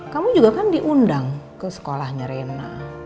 kamu juga kan diundang ke sekolahnya rena